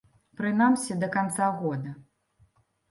Прынамсі да канца года.